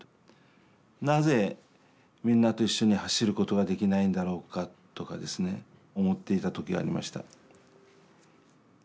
なぜみんなと一緒に走ることができないんだろうかとかですね思っていた時がありました。